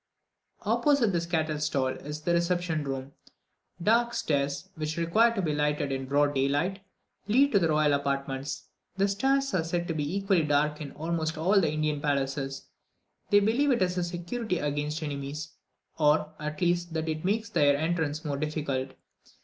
Opposite this cattle stall is the reception room. Dark stairs, which require to be lighted in broad daylight, lead to the royal apartments. The stairs are said to be equally dark in almost all the Indian palaces; they believe it is a security against enemies, or, at least, that it makes their entrance more difficult.